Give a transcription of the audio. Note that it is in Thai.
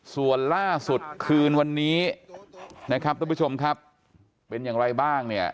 ส่วนล่าสุดคืนวันนี้นะครับทุกผู้ชมครับเป็นอย่างไรบ้างเนี่ย